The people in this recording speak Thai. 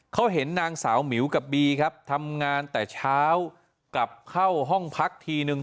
เขาเห็นนางสาวหมิวกับบีครับทำงานแต่เช้ากลับเข้าห้องพักทีนึง